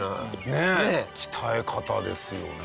ねえ鍛え方ですよね。